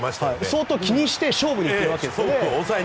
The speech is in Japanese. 相当気にして勝負に行ってるわけですね。